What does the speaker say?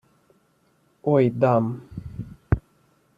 Ой, дам...